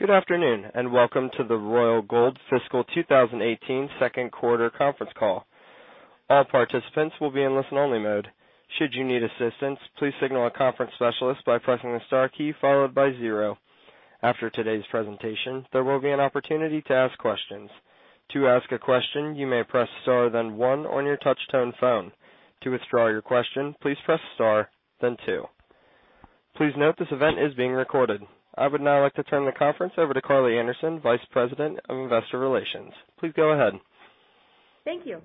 Good afternoon, and welcome to the Royal Gold fiscal 2018 second quarter conference call. All participants will be in listen-only mode. Should you need assistance, please signal a conference specialist by pressing the star key followed by 0. After today's presentation, there will be an opportunity to ask questions. To ask a question, you may press star then 1 on your touch tone phone. To withdraw your question, please press star then 2. Please note this event is being recorded. I would now like to turn the conference over to Karli Anderson, Vice President of Investor Relations. Please go ahead. Thank you.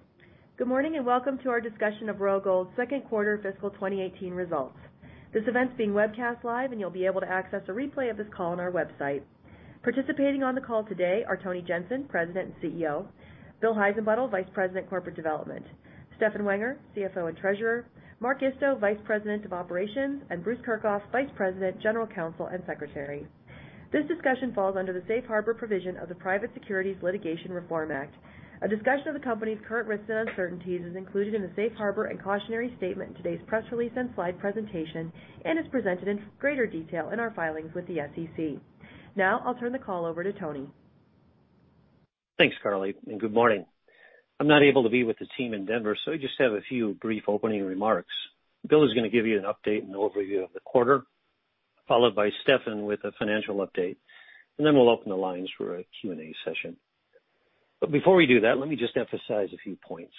Good morning, and welcome to our discussion of Royal Gold's second quarter fiscal 2018 results. This event is being webcast live, and you'll be able to access a replay of this call on our website. Participating on the call today are Tony Jensen, President and CEO; William Heissenbuttel, Vice President, Corporate Development; Stefan Wenger, CFO and Treasurer; Mark Isto, Vice President of Operations, and Bruce Kirchhoff, Vice President, General Counsel and Secretary. This discussion falls under the safe harbor provision of the Private Securities Litigation Reform Act. A discussion of the company's current risks and uncertainties is included in the safe harbor and cautionary statement in today's press release and slide presentation, and is presented in greater detail in our filings with the SEC. Now, I'll turn the call over to Tony. Thanks, Karli, and good morning. I'm not able to be with the team in Denver, so I just have a few brief opening remarks. Bill is going to give you an update and overview of the quarter, followed by Stefan with a financial update, and then we'll open the lines for a Q&A session. Before we do that, let me just emphasize a few points.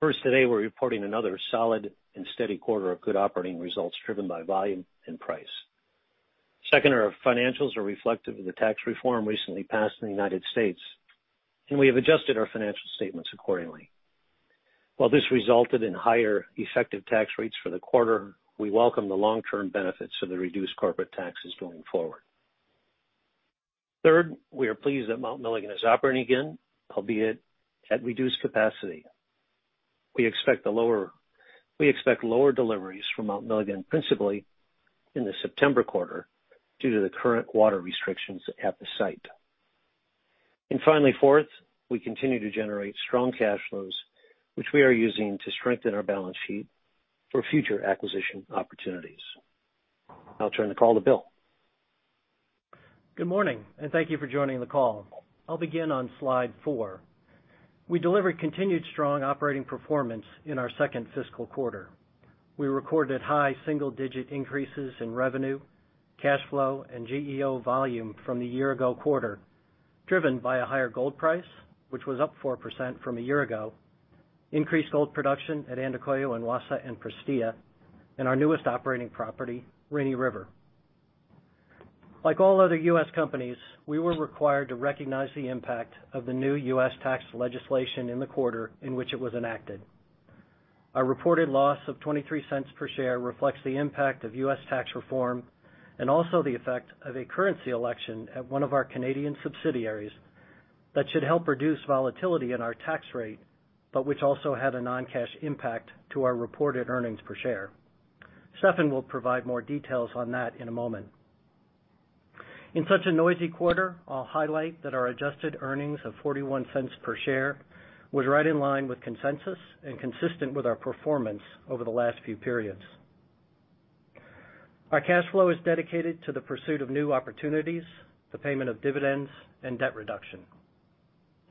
First, today, we're reporting another solid and steady quarter of good operating results driven by volume and price. Second, our financials are reflective of the tax reform recently passed in the U.S., and we have adjusted our financial statements accordingly. While this resulted in higher effective tax rates for the quarter, we welcome the long-term benefits of the reduced corporate taxes going forward. Third, we are pleased that Mount Milligan is operating again, albeit at reduced capacity. We expect lower deliveries from Mount Milligan principally in the September quarter due to the current water restrictions at the site. Finally, fourth, we continue to generate strong cash flows, which we are using to strengthen our balance sheet for future acquisition opportunities. I'll turn the call to Bill. Good morning. Thank you for joining the call. I'll begin on slide four. We delivered continued strong operating performance in our second fiscal quarter. We recorded high single-digit increases in revenue, cash flow, and GEO volume from the year ago quarter, driven by a higher gold price, which was up 4% from a year ago, increased gold production at Andacollo and Wassa and Prestea, and our newest operating property, Rainy River. Like all other U.S. companies, we were required to recognize the impact of the new U.S. tax legislation in the quarter in which it was enacted. Our reported loss of $0.23 per share reflects the impact of U.S. tax reform and also the effect of a currency election at one of our Canadian subsidiaries that should help reduce volatility in our tax rate, but which also had a non-cash impact to our reported earnings per share. Stefan will provide more details on that in a moment. In such a noisy quarter, I'll highlight that our adjusted earnings of $0.41 per share was right in line with consensus and consistent with our performance over the last few periods. Our cash flow is dedicated to the pursuit of new opportunities, the payment of dividends, and debt reduction.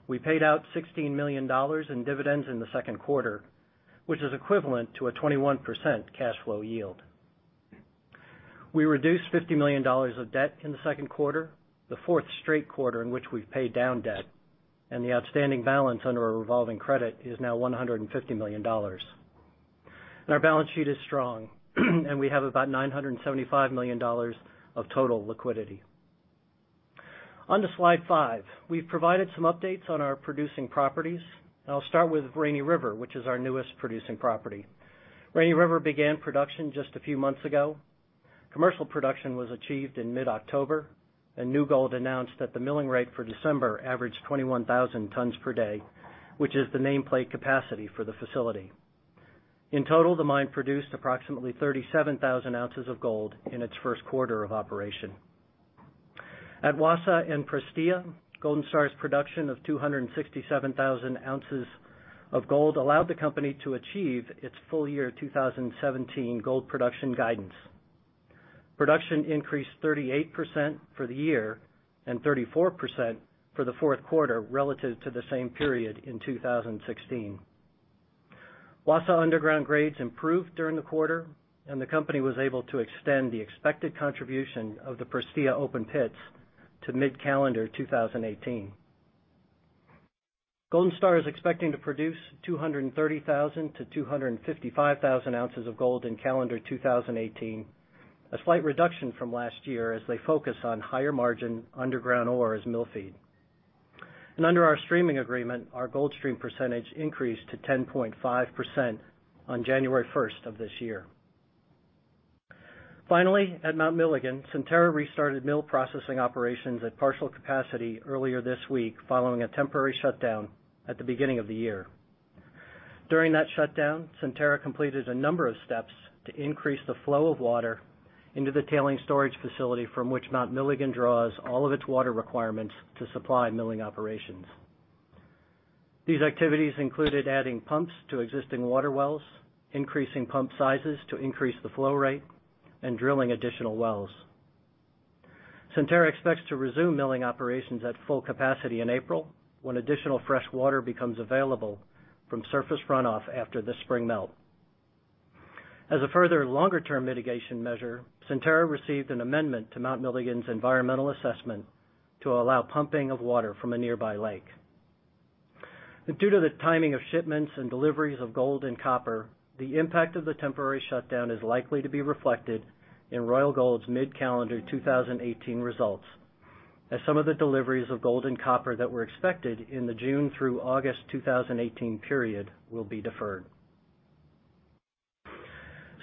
We paid out $16 million in dividends in the second quarter, which is equivalent to a 21% cash flow yield. We reduced $50 million of debt in the second quarter, the fourth straight quarter in which we've paid down debt, and the outstanding balance under a revolving credit is now $150 million. Our balance sheet is strong, and we have about $975 million of total liquidity. On to slide five. We've provided some updates on our producing properties. I'll start with Rainy River, which is our newest producing property. Rainy River began production just a few months ago. Commercial production was achieved in mid-October. New Gold announced that the milling rate for December averaged 21,000 tons per day, which is the nameplate capacity for the facility. In total, the mine produced approximately 37,000 ounces of gold in its first quarter of operation. At Wassa and Prestea, Golden Star's production of 267,000 ounces of gold allowed the company to achieve its full year 2017 gold production guidance. Production increased 38% for the year and 34% for the fourth quarter relative to the same period in 2016. Wassa underground grades improved during the quarter. The company was able to extend the expected contribution of the Prestea open pits to mid-calendar 2018. Golden Star is expecting to produce 230,000 to 255,000 ounces of gold in calendar 2018, a slight reduction from last year as they focus on higher margin underground ore as mill feed. Under our streaming agreement, our gold stream percentage increased to 10.5% on January 1st of this year. Finally, at Mount Milligan, Centerra restarted mill processing operations at partial capacity earlier this week following a temporary shutdown at the beginning of the year. During that shutdown, Centerra completed a number of steps to increase the flow of water into the tailings storage facility from which Mount Milligan draws all of its water requirements to supply milling operations. These activities included adding pumps to existing water wells, increasing pump sizes to increase the flow rate, and drilling additional wells. Centerra expects to resume milling operations at full capacity in April, when additional fresh water becomes available from surface runoff after the spring melt. As a further longer-term mitigation measure, Centerra received an amendment to Mount Milligan's environmental assessment to allow pumping of water from a nearby lake. Due to the timing of shipments and deliveries of gold and copper, the impact of the temporary shutdown is likely to be reflected in Royal Gold's mid-calendar 2018 results, as some of the deliveries of gold and copper that were expected in the June through August 2018 period will be deferred.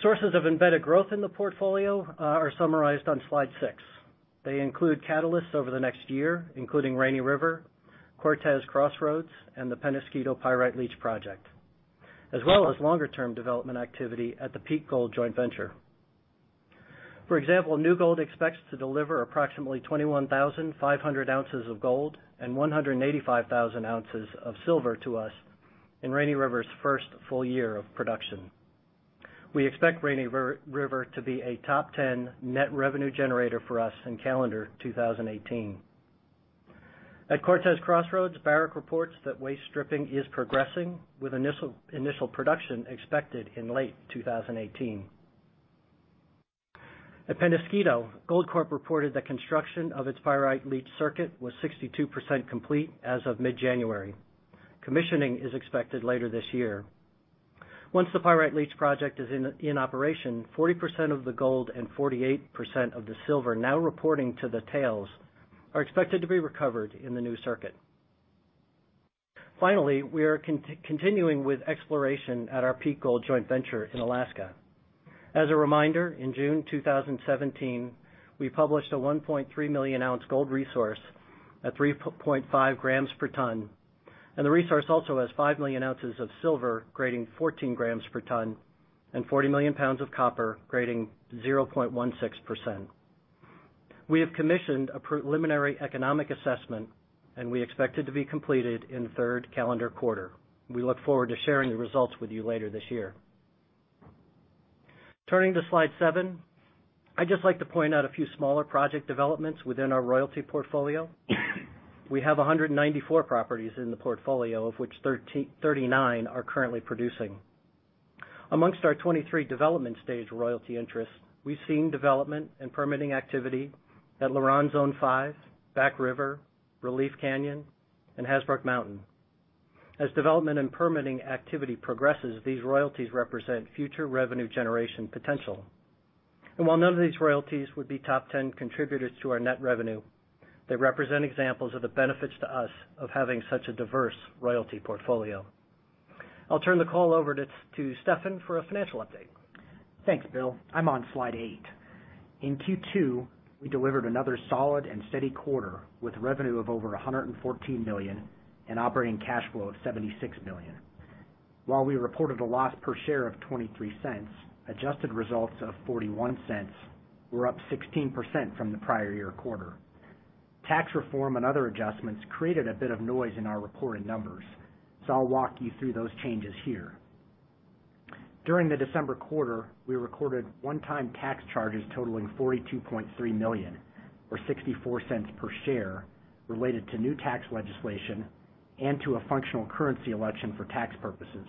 Sources of embedded growth in the portfolio are summarized on slide seven. They include catalysts over the next year, including Rainy River, Cortez Crossroads, and the Peñasquito Pyrite Leach project, as well as longer-term development activity at the Peak Gold joint venture. For example, New Gold expects to deliver approximately 21,500 ounces of gold and 185,000 ounces of silver to us in Rainy River's first full year of production. We expect Rainy River to be a top 10 net revenue generator for us in calendar 2018. At Cortez Crossroads, Barrick reports that waste stripping is progressing, with initial production expected in late 2018. At Peñasquito, Goldcorp reported that construction of its Pyrite Leach circuit was 62% complete as of mid-January. Commissioning is expected later this year. Once the Pyrite Leach project is in operation, 40% of the gold and 48% of the silver now reporting to the tails are expected to be recovered in the new circuit. We are continuing with exploration at our Peak Gold joint venture in Alaska. As a reminder, in June 2017, we published a 1.3-million-ounce gold resource at 3.5 grams per ton. The resource also has 5 million ounces of silver grading 14 grams per ton and 40 million pounds of copper grading 0.16%. We have commissioned a preliminary economic assessment, and we expect it to be completed in the third calendar quarter. We look forward to sharing the results with you later this year. Turning to slide seven, I'd just like to point out a few smaller project developments within our royalty portfolio. We have 194 properties in the portfolio, of which 39 are currently producing. Amongst our 23 development stage royalty interests, we've seen development and permitting activity at LaRonde Zone 5, Back River, Relief Canyon, and Hasbrouck Mountain. As development and permitting activity progresses, these royalties represent future revenue generation potential. While none of these royalties would be top 10 contributors to our net revenue, they represent examples of the benefits to us of having such a diverse royalty portfolio. I'll turn the call over to Stefan for a financial update. Thanks, Bill. I'm on slide eight. In Q2, we delivered another solid and steady quarter with revenue of over $114 million and operating cash flow of $76 million. While we reported a loss per share of $0.23, adjusted results of $0.41 were up 16% from the prior year quarter. Tax reform and other adjustments created a bit of noise in our reported numbers, so I'll walk you through those changes here. During the December quarter, we recorded one-time tax charges totaling $42.3 million or $0.64 per share related to new tax legislation and to a functional currency election for tax purposes.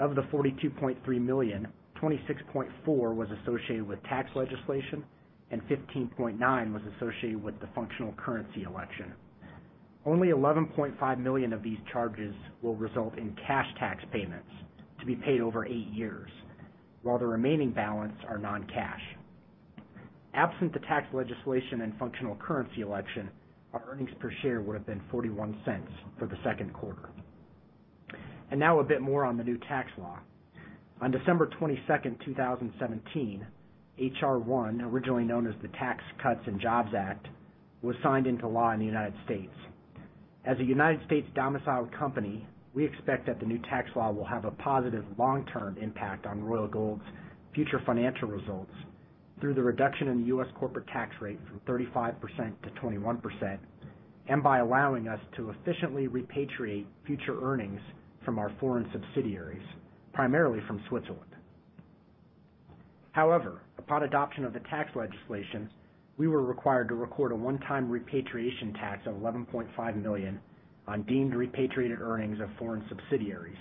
Of the $42.3 million, $26.4 million was associated with tax legislation and $15.9 million was associated with the functional currency election. Only $11.5 million of these charges will result in cash tax payments to be paid over eight years, while the remaining balance are non-cash. Absent the tax legislation and functional currency election, our earnings per share would have been $0.41 for the second quarter. Now a bit more on the new tax law. On December 22, 2017, H.R.1, originally known as the Tax Cuts and Jobs Act, was signed into law in the U.S. As a U.S.-domiciled company, we expect that the new tax law will have a positive long-term impact on Royal Gold's future financial results through the reduction in the U.S. corporate tax rate from 35%-21%, and by allowing us to efficiently repatriate future earnings from our foreign subsidiaries, primarily from Switzerland. However, upon adoption of the tax legislation, we were required to record a one-time repatriation tax of $11.5 million on deemed repatriated earnings of foreign subsidiaries,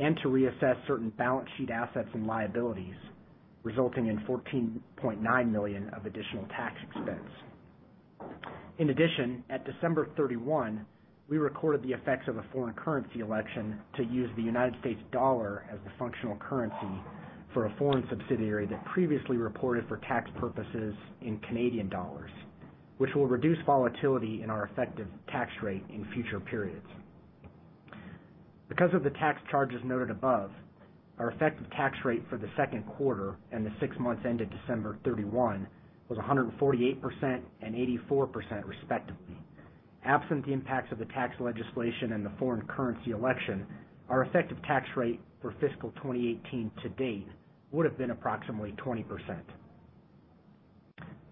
and to reassess certain balance sheet assets and liabilities, resulting in $14.9 million of additional tax expense. In addition, at December 31, we recorded the effects of a foreign currency election to use the U.S. dollar as the functional currency for a foreign subsidiary that previously reported for tax purposes in CAD, which will reduce volatility in our effective tax rate in future periods. Because of the tax charges noted above, our effective tax rate for the second quarter and the six months ended December 31 was 148% and 84%, respectively. Absent the impacts of the tax legislation and the foreign currency election, our effective tax rate for fiscal 2018 to date would have been approximately 20%.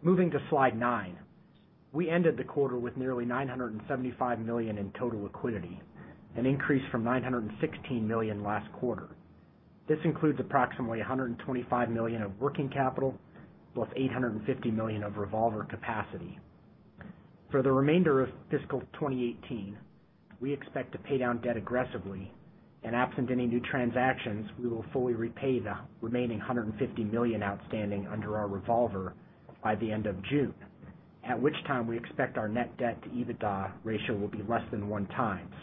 Moving to slide nine. We ended the quarter with nearly $975 million in total liquidity, an increase from $916 million last quarter. This includes approximately $125 million of working capital, plus $850 million of revolver capacity. For the remainder of fiscal 2018, we expect to pay down debt aggressively. Absent any new transactions, we will fully repay the remaining $150 million outstanding under our revolver by the end of June, at which time we expect our net debt to EBITDA ratio will be less than one times,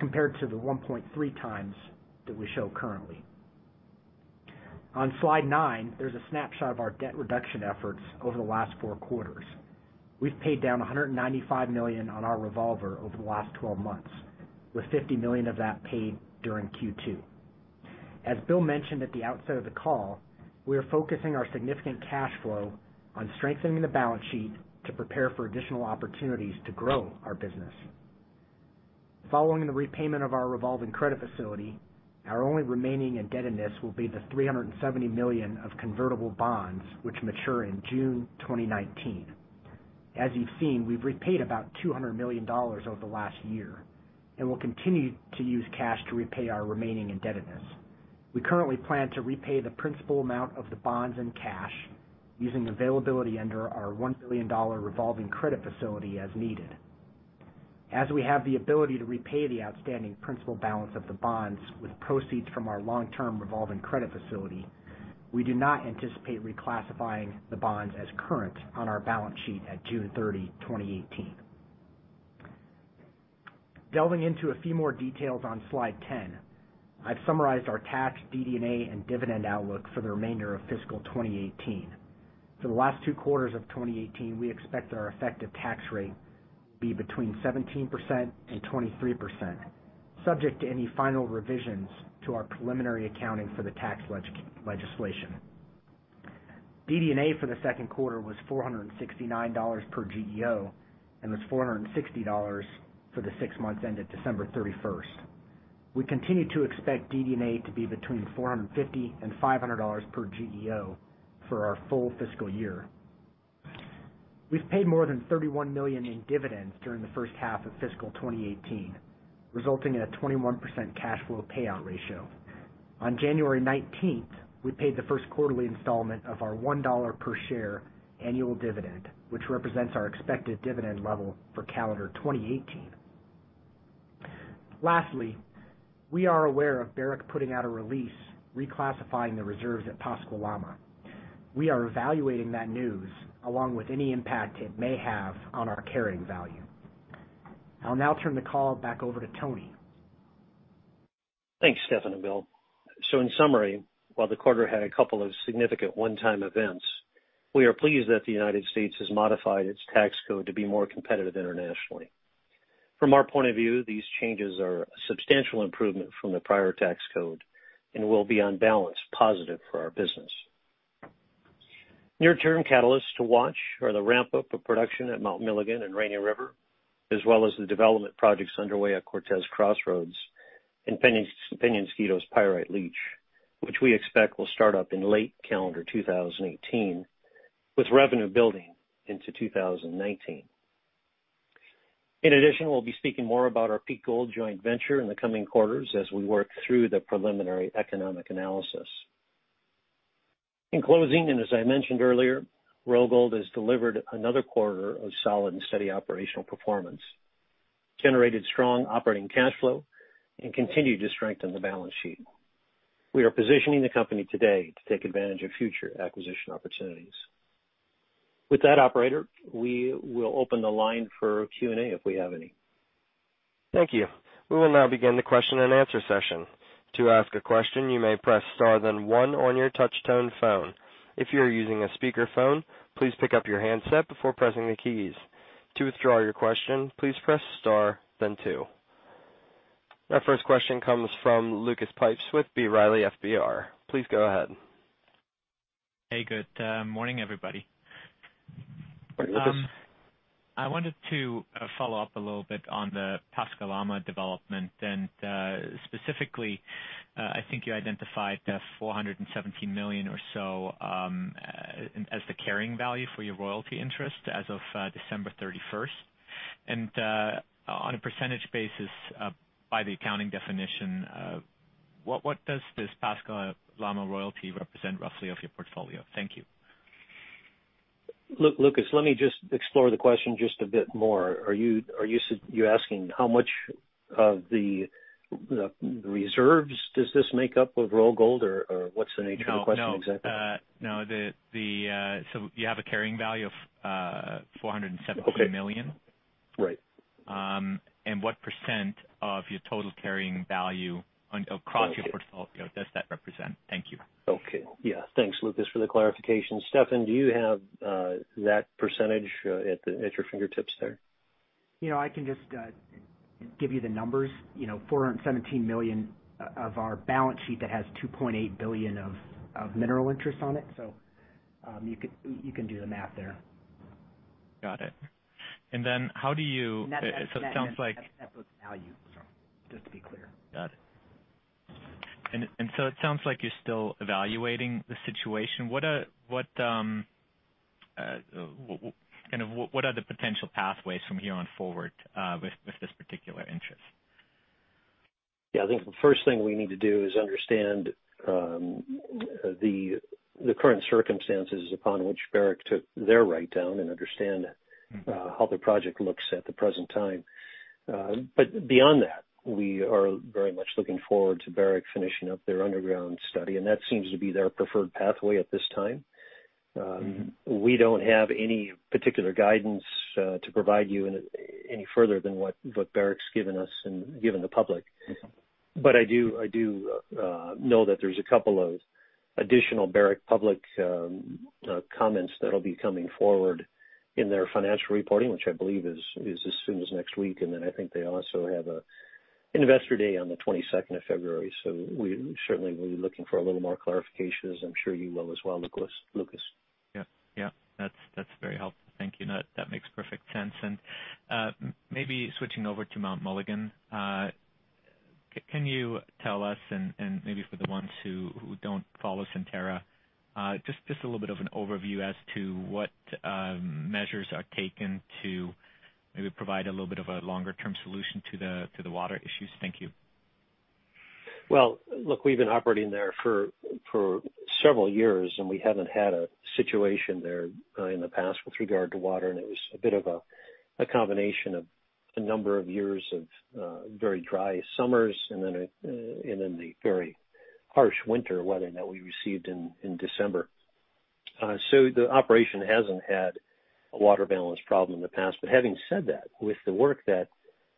compared to the 1.3 times that we show currently. On slide nine, there's a snapshot of our debt reduction efforts over the last four quarters. We've paid down $195 million on our revolver over the last 12 months, with $50 million of that paid during Q2. As Bill mentioned at the outset of the call, we are focusing our significant cash flow on strengthening the balance sheet to prepare for additional opportunities to grow our business. Following the repayment of our revolving credit facility, our only remaining indebtedness will be the $370 million of convertible bonds, which mature in June 2019. As you've seen, we've repaid about $200 million over the last year and will continue to use cash to repay our remaining indebtedness. We currently plan to repay the principal amount of the bonds in cash using availability under our $1 billion revolving credit facility, as needed. As we have the ability to repay the outstanding principal balance of the bonds with proceeds from our long-term revolving credit facility, we do not anticipate reclassifying the bonds as current on our balance sheet at June 30, 2018. Delving into a few more details on slide 10, I've summarized our tax, DD&A, and dividend outlook for the remainder of fiscal 2018. For the last two quarters of 2018, we expect that our effective tax rate will be between 17% and 23%, subject to any final revisions to our preliminary accounting for the tax legislation. DD&A for the second quarter was $469 per GEO, and was $460 for the six months ended December 31st. We continue to expect DD&A to be between $450 and $500 per GEO for our full fiscal year. We've paid more than $31 million in dividends during the first half of fiscal 2018, resulting in a 21% cash flow payout ratio. On January 19th, we paid the first quarterly installment of our $1 per share annual dividend, which represents our expected dividend level for calendar 2018. Lastly, we are aware of Barrick putting out a release reclassifying the reserves at Pascua Lama. We are evaluating that news, along with any impact it may have on our carrying value. I'll now turn the call back over to Tony. Thanks, Stefan and Bill. In summary, while the quarter had a couple of significant one-time events, we are pleased that the U.S. has modified its tax code to be more competitive internationally. From our point of view, these changes are a substantial improvement from the prior tax code and will be, on balance, positive for our business. Near-term catalysts to watch are the ramp-up of production at Mount Milligan and Rainy River, as well as the development projects underway at Cortez Crossroads and Peñasquito Pyrite Leach, which we expect will start up in late calendar 2018, with revenue building into 2019. In addition, we'll be speaking more about our Peak Gold joint venture in the coming quarters as we work through the preliminary economic assessment. In closing, as I mentioned earlier, Royal Gold has delivered another quarter of solid and steady operational performance, generated strong operating cash flow, and continued to strengthen the balance sheet. We are positioning the company today to take advantage of future acquisition opportunities. With that, operator, we will open the line for Q&A, if we have any. Thank you. We will now begin the question and answer session. To ask a question, you may press star then one on your touch tone phone. If you are using a speaker phone, please pick up your handset before pressing the keys. To withdraw your question, please press star then two. Our first question comes from Lucas Pipes with B. Riley FBR. Please go ahead. Hey, good morning, everybody. Morning, Lucas. I wanted to follow up a little bit on the Pascua Lama development and, specifically, I think you identified the $417 million or so as the carrying value for your royalty interest as of December 31st. On a percentage basis, by the accounting definition, what does this Pascua Lama royalty represent, roughly, of your portfolio? Thank you. Lucas, let me just explore the question just a bit more. Are you asking how much of the reserves does this make up of Royal Gold or what's the nature of the question exactly? No. You have a carrying value of $417 million. Okay. Right. What % of your total carrying value across your portfolio does that represent? Thank you. Okay. Yeah. Thanks, Lucas, for the clarification. Stefan, do you have that % at your fingertips there? I can just give you the numbers. $417 million of our balance sheet that has $2.8 billion of mineral interest on it. You can do the math there. Got it. How do you- That's net book value, just to be clear. Got it. It sounds like you're still evaluating the situation. What are the potential pathways from here on forward with this particular interest? Yeah. I think the first thing we need to do is understand the current circumstances upon which Barrick took their write-down and understand how the project looks at the present time. Beyond that, we are very much looking forward to Barrick finishing up their underground study, and that seems to be their preferred pathway at this time. We don't have any particular guidance to provide you any further than what Barrick's given us and given the public. I do know that there's a couple of additional Barrick public comments that'll be coming forward in their financial reporting, which I believe is as soon as next week, and then I think they also have a investor day on the 22nd of February. We certainly will be looking for a little more clarification, as I'm sure you will as well, Lucas. Yeah. That's very helpful. Thank you. No, that makes perfect sense. Maybe switching over to Mount Milligan, can you tell us, and maybe for the ones who don't follow Centerra, just a little bit of an overview as to what measures are taken to maybe provide a little bit of a longer-term solution to the water issues? Thank you. Look, we've been operating there for several years, and we haven't had a situation there in the past with regard to water, and it was a bit of a combination of a number of years of very dry summers and then the very harsh winter weather that we received in December. The operation hasn't had a water balance problem in the past. Having said that, with the work that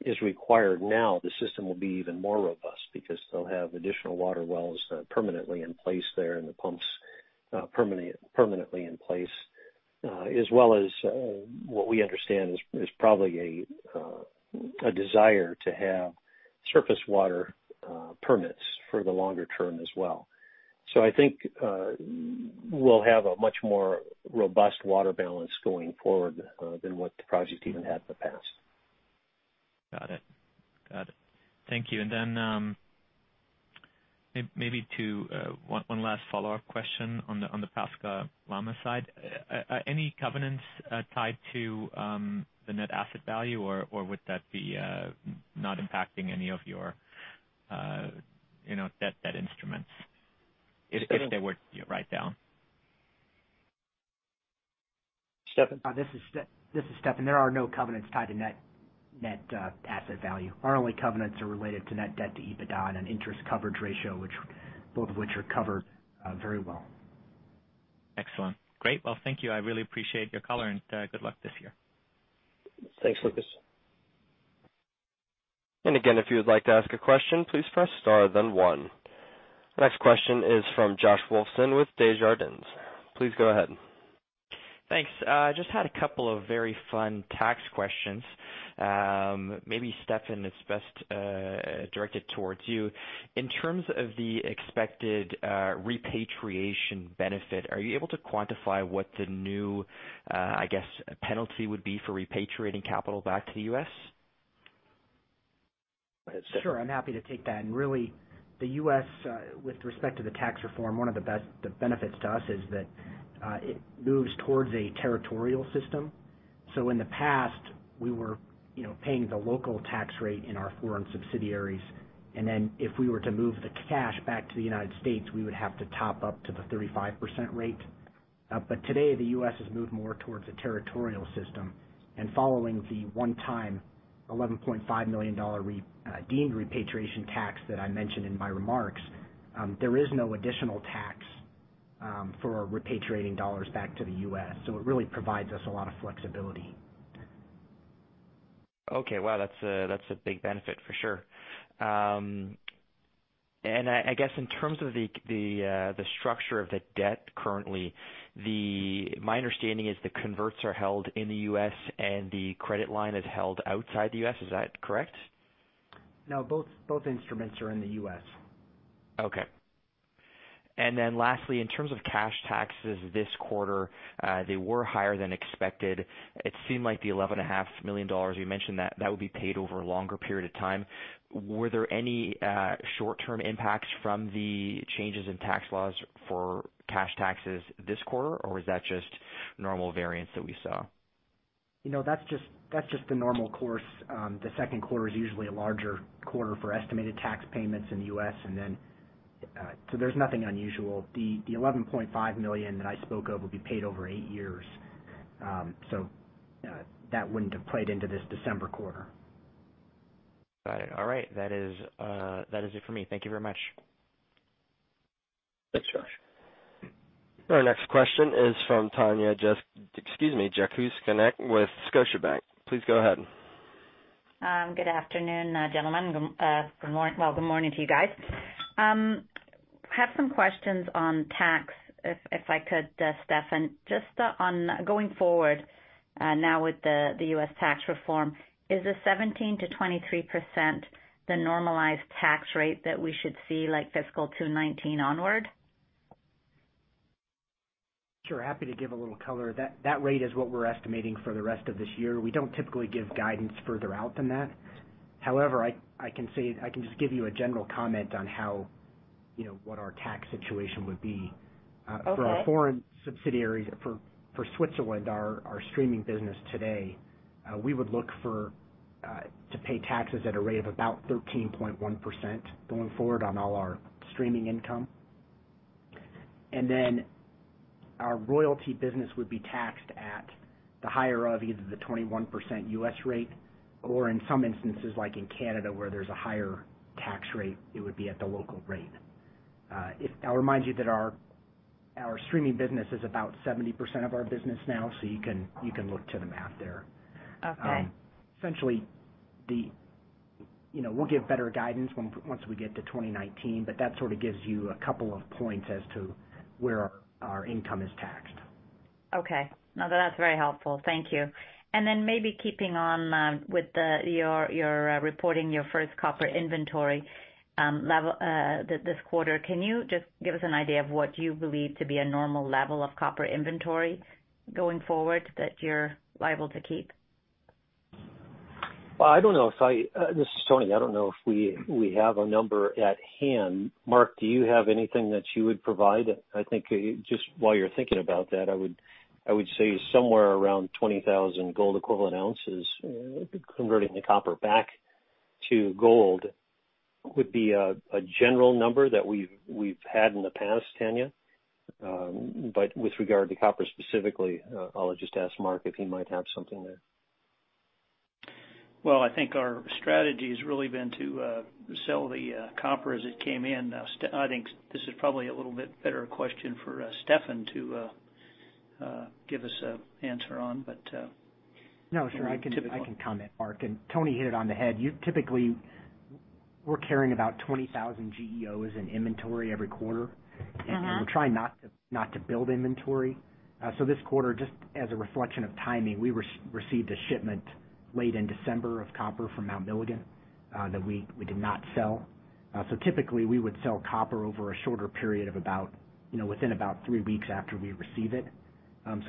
is required now, the system will be even more robust because they'll have additional water wells permanently in place there and the pumps permanently in place. As well as what we understand is probably a desire to have surface water permits for the longer term as well. I think we'll have a much more robust water balance going forward than what the project even had in the past. Got it. Thank you. Maybe one last follow-up question on the Pascua Lama side. Any covenants tied to the net asset value, or would that be not impacting any of your debt instruments if they were to write down? Stefan? This is Stefan. There are no covenants tied to net asset value. Our only covenants are related to net debt to EBITDA and an interest coverage ratio, both of which are covered very well. Excellent. Great. Well, thank you. I really appreciate your color and good luck this year. Thanks, Lucas. Again, if you would like to ask a question, please press star then one. The next question is from Josh Wolfson with Desjardins. Please go ahead. Thanks. Just had a couple of very fun tax questions. Maybe Stefan, it is best directed towards you. In terms of the expected repatriation benefit, are you able to quantify what the new, I guess, penalty would be for repatriating capital back to the U.S.? Go ahead, Stefan. Sure. I am happy to take that. Really, the U.S., with respect to the tax reform, one of the benefits to us is that it moves towards a territorial system. In the past, we were paying the local tax rate in our foreign subsidiaries, and then if we were to move the cash back to the United States, we would have to top up to the 35% rate. Today, the U.S. has moved more towards a territorial system. Following the one-time $11.5 million deemed repatriation tax that I mentioned in my remarks, there is no additional tax for repatriating dollars back to the U.S., so it really provides us a lot of flexibility. Okay. Wow, that is a big benefit for sure. I guess in terms of the structure of the debt currently, my understanding is the converts are held in the U.S. and the credit line is held outside the U.S. Is that correct? No, both instruments are in the U.S. Okay. Lastly, in terms of cash taxes this quarter, they were higher than expected. It seemed like the $11.5 million you mentioned, that would be paid over a longer period of time. Were there any short-term impacts from the changes in tax laws for cash taxes this quarter, or is that just normal variance that we saw? That's just the normal course. The second quarter is usually a larger quarter for estimated tax payments in the U.S. There's nothing unusual. The $11.5 million that I spoke of will be paid over eight years. That wouldn't have played into this December quarter. Got it. All right. That is it for me. Thank you very much. Thanks, Josh. Our next question is from Tanya Jakusconek, excuse me, Jakusconek with Scotiabank. Please go ahead. Good afternoon, gentlemen. Well, good morning to you guys. Have some questions on tax, if I could, Stefan. Just on going forward now with the US tax reform, is the 17%-23% the normalized tax rate that we should see fiscal 2019 onward? Sure. Happy to give a little color. That rate is what we're estimating for the rest of this year. We don't typically give guidance further out than that. However, I can just give you a general comment on what our tax situation would be. Okay. For our foreign subsidiaries, for Switzerland, our streaming business today, we would look to pay taxes at a rate of about 13.1% going forward on all our streaming income. Our royalty business would be taxed at the higher of either the 21% U.S. rate or in some instances like in Canada where there's a higher tax rate, it would be at the local rate. I'll remind you that our streaming business is about 70% of our business now, you can look to the math there. Okay. Essentially, we'll give better guidance once we get to 2019, that sort of gives you a couple of points as to where our income is taxed. Okay. No, that's very helpful. Thank you. Maybe keeping on with you're reporting your first copper inventory this quarter, can you just give us an idea of what you believe to be a normal level of copper inventory going forward that you're liable to keep? Well, I don't know. This is Tony. I don't know if we have a number at hand. Mark, do you have anything that you would provide? I think just while you're thinking about that, I would say somewhere around 20,000 Gold Equivalent Ounces, converting the copper back to gold would be a general number that we've had in the past, Tanya. With regard to copper specifically, I'll just ask Mark if he might have something there. Well, I think our strategy has really been to sell the copper as it came in. I think this is probably a little bit better question for Stefan to give us an answer on. No, sure. I can comment, Mark, and Tony hit it on the head. Typically, we're carrying about 20,000 GEOs in inventory every quarter. We're trying not to build inventory. This quarter, just as a reflection of timing, we received a shipment late in December of copper from Mount Milligan that we did not sell. Typically, we would sell copper over a shorter period of within about three weeks after we receive it.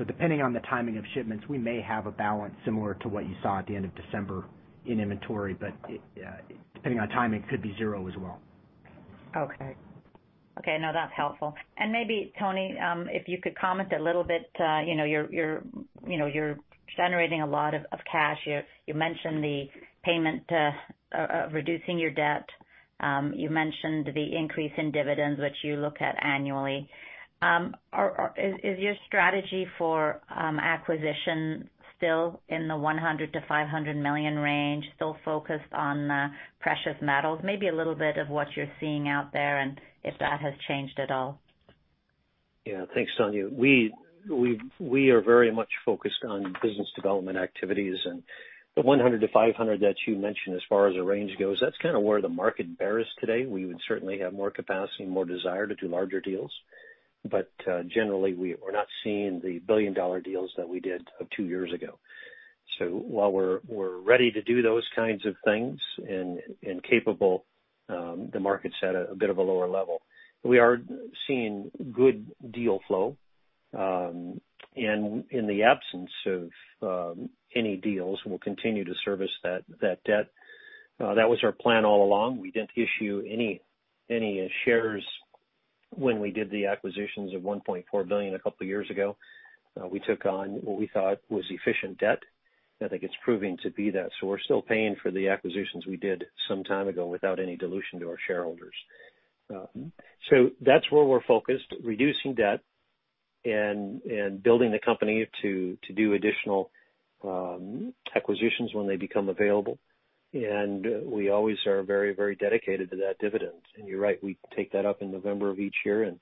Depending on the timing of shipments, we may have a balance similar to what you saw at the end of December in inventory. Depending on timing, it could be zero as well. Okay. No, that's helpful. Maybe, Tony, if you could comment a little bit, you're generating a lot of cash. You mentioned the payment, reducing your debt. You mentioned the increase in dividends, which you look at annually. Is your strategy for acquisition still in the $100 million-$500 million range, still focused on precious metals? Maybe a little bit of what you're seeing out there, and if that has changed at all. Thanks, Tanya. We are very much focused on business development activities. The $100 million-$500 million that you mentioned as far as the range goes, that's kind of where the market bears today. We would certainly have more capacity and more desire to do larger deals. Generally, we're not seeing the billion-dollar deals that we did two years ago. While we're ready to do those kinds of things and capable, the market's at a bit of a lower level. We are seeing good deal flow. In the absence of any deals, we'll continue to service that debt. That was our plan all along. We didn't issue any shares when we did the acquisitions of $1.4 billion a couple of years ago. We took on what we thought was efficient debt, and I think it's proving to be that. We're still paying for the acquisitions we did some time ago without any dilution to our shareholders. That's where we're focused, reducing debt and building the company to do additional acquisitions when they become available. We always are very dedicated to that dividend. You're right, we take that up in November of each year, and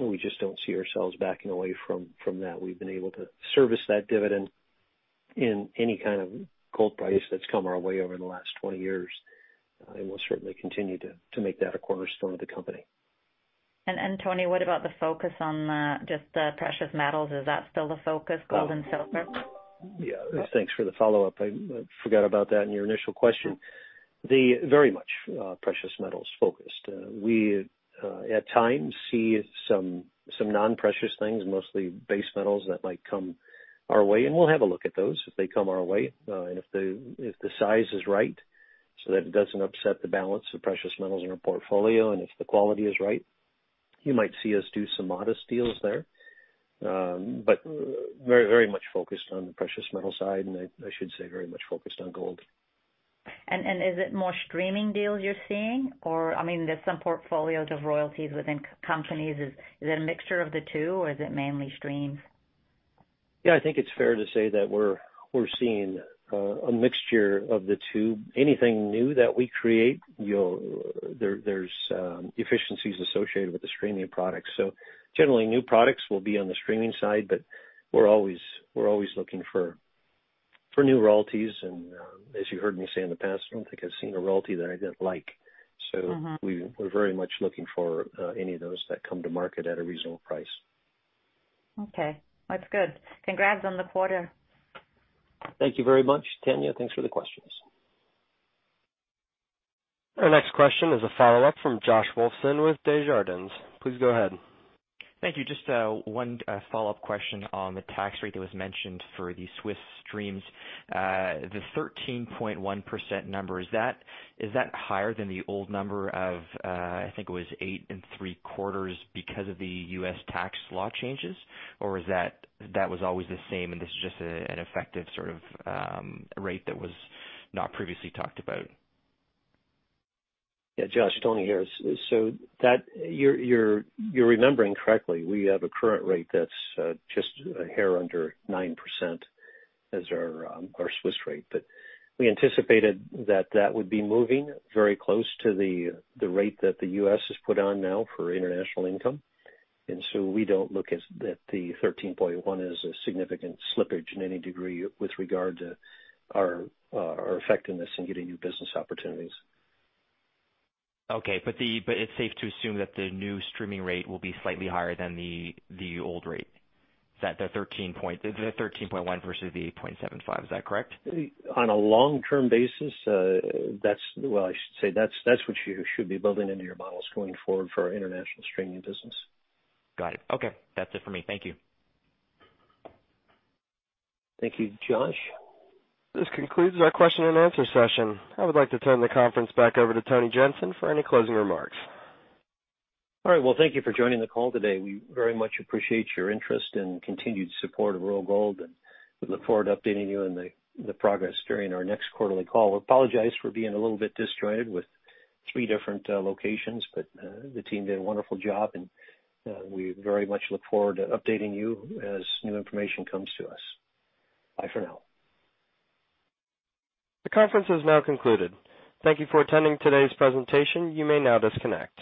we just don't see ourselves backing away from that. We've been able to service that dividend in any kind of gold price that's come our way over the last 20 years, and we'll certainly continue to make that a cornerstone of the company. Tony, what about the focus on just the precious metals? Is that still the focus, gold and silver? Thanks for the follow-up. I forgot about that in your initial question. Very much precious metals focused. We, at times, see some non-precious things, mostly base metals that might come our way, and we'll have a look at those if they come our way. If the size is right so that it doesn't upset the balance of precious metals in our portfolio, and if the quality is right, you might see us do some modest deals there. Very much focused on the precious metals side, and I should say very much focused on gold. Is it more streaming deals you're seeing or, I mean, there's some portfolios of royalties within companies. Is it a mixture of the two or is it mainly streams? I think it's fair to say that we're seeing a mixture of the two. Anything new that we create, there's efficiencies associated with the streaming product. Generally, new products will be on the streaming side, but we're always looking for new royalties, and as you heard me say in the past, I don't think I've seen a royalty that I didn't like. We're very much looking for any of those that come to market at a reasonable price. That's good. Congrats on the quarter. Thank you very much, Tanya. Thanks for the question. Our next question is a follow-up from Josh Wolfson with Desjardins. Please go ahead. Thank you. Just one follow-up question on the tax rate that was mentioned for the Swiss streams. The 13.1% number, is that higher than the old number of, I think it was eight and three quarters because of the U.S. tax law changes? Or that was always the same and this is just an effective sort of rate that was not previously talked about? Yeah, Josh, Tony here. You're remembering correctly. We have a current rate that's just a hair under 9% as our Swiss rate. We anticipated that that would be moving very close to the rate that the U.S. has put on now for international income. We don't look at the 13.1% as a significant slippage in any degree with regard to our effectiveness in getting new business opportunities. Okay. It's safe to assume that the new streaming rate will be slightly higher than the old rate? The 13.1 versus the 8.75, is that correct? On a long-term basis, well, I should say, that's what you should be building into your models going forward for our international streaming business. Got it. Okay. That's it for me. Thank you. Thank you, Josh. This concludes our question and answer session. I would like to turn the conference back over to Tony Jensen for any closing remarks. All right. Well, thank you for joining the call today. We very much appreciate your interest and continued support of Royal Gold, and we look forward to updating you on the progress during our next quarterly call. We apologize for being a little bit disjointed with three different locations, but the team did a wonderful job, and we very much look forward to updating you as new information comes to us. Bye for now. The conference has now concluded. Thank you for attending today's presentation. You may now disconnect.